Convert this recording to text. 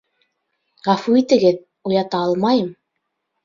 Ғәфү итегеҙ, уята алмайым!